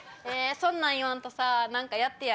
そんなん言わんと何かやってや。